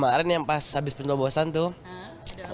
wah kemarin yang pas habis penyelobosan tuh